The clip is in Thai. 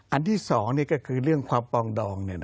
อันที่๒ก็คือเรื่องความปองดอง